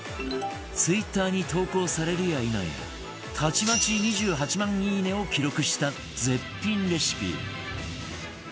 Ｔｗｉｔｔｅｒ に投稿されるや否やたちまち２８万いいねを記録した絶品レシピ